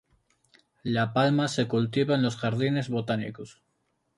La palma se cultiva en los jardines botánicos.